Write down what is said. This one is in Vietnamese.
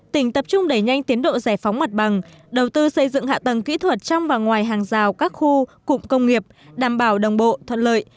tỉnh tập trung đẩy nhanh tiến độ giải phóng mặt bằng đầu tư xây dựng hạ tầng kỹ thuật trong và ngoài hàng rào các khu cụm công nghiệp đảm bảo đồng bộ thuận lợi